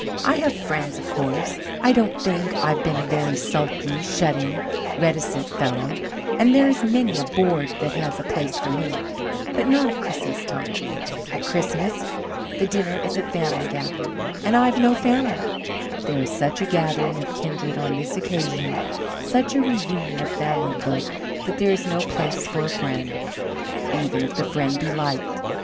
I have friends, of course; I don't think I've been a very sulky, shut in, reticent fellow; and there is many a board that has a place for me but not at Christmastime. At Christmas, the dinner is a family gathering; and I've no family. There is such a gathering of kindred on this occasion, such a reunion of family folk, that there is no place for a friend, even if the friend be liked.